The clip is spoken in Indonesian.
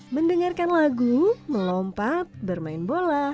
mendengarkan lagu melompat bermain bola